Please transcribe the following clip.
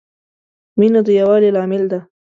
مینه د یووالي لامل ده.